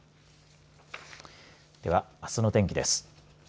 では、あすの天気です。